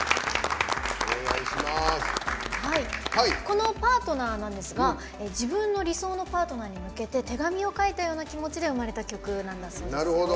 この「Ｐａｒｔｎｅｒ」なんですが自分の理想のパートナーに向けて手紙を書いたような気持ちで生まれた曲なんだそうですよ。